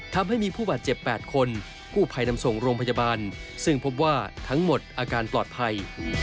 ทั้งหมดอาการปลอดภัย